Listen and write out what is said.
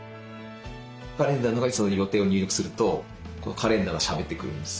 カレンダーの中にそういう予定を入力するとカレンダーがしゃべってくるんです